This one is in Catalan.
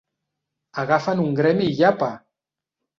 Agafen un gremi i apa!